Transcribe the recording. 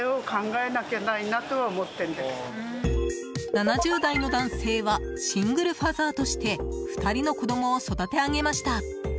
７０代の男性はシングルファーザーとして２人の子供を育て上げました。